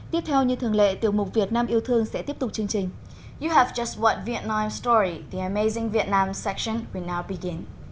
tiếp theo như thường lệ tiểu mục việt nam yêu thương sẽ tiếp tục chương trình